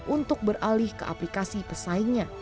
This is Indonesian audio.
untuk beralih ke aplikasi pesaingnya